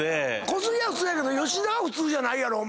小杉は普通やけど吉田は普通じゃないやろ？